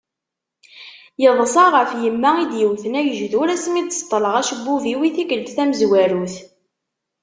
Yeḍsa ɣef yemma i yewwten agejdur asmi d-ṣeṭleɣ acebbub-iw i tikkelt tamezwarut.